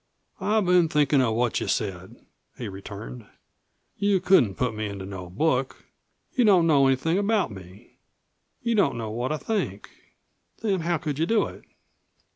"I've been thinkin' of what you said," he returned. "You couldn't put me into no book. You don't know anything about me. You don't know what I think. Then how could you do it?"